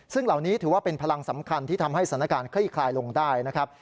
ซึ่งเหล่านี้ถือว่าเป็นพลังสำคัญที่ทำให้สถานการณ์คลี่คลายลงได้นะครับ